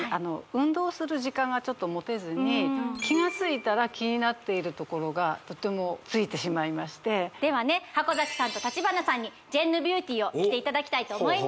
私はこの１年気がついたら気になっている所がとてもついてしまいましてではね箱崎さんと立花さんにジェンヌビューティーを着ていただきたいと思います